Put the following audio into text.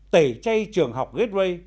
tẩy chay trường học gateway